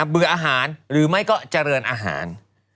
เบื่ออาหารหรือไม่ก็เจริญอาหาร